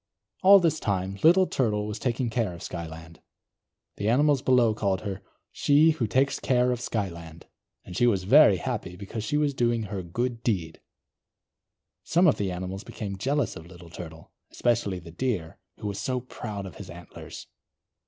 All this time, Little Turtle was taking care of Skyland. The animals below called her, She Who Takes Care of Skyland. And she was very happy, because she was doing her good deed. Some of the animals became jealous of Little Turtle, especially the Deer, who was so proud of his antlers.